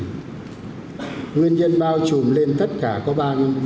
nguyên nhân bao trùm lên tất cả có ba nguyên nhân